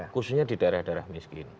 khususnya di daerah daerah miskin